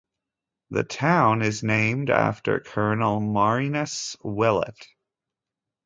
The town is named after Colonel Marinus Willet.